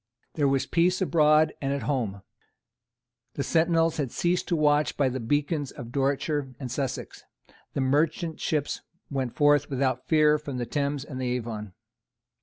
There was peace abroad and at home. The sentinels had ceased to watch by the beacons of Dorsetshire and Sussex. The merchant ships went forth without fear from the Thames and the Avon.